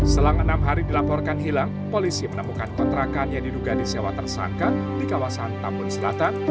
selang enam hari dilaporkan hilang polisi menemukan kontrakan yang diduga disewa tersangka di kawasan tambun selatan